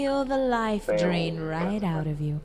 Fue un rastafari.